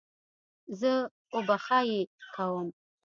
زه اوښبهني کوم.